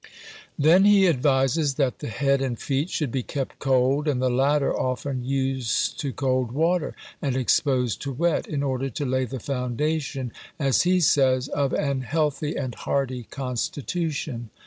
Then he advises, that the head and feet should be kept cold; and the latter often used to cold water, and exposed to wet, in order to lay the foundation, as he says, of an healthy and hardy constitution.